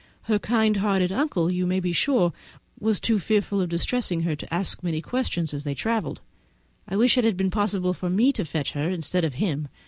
Her kind hearted uncle, you may be sure, was too fearful of distressing her to ask many questions as they travelled. I wish it had been possible for me to fetch her instead of him.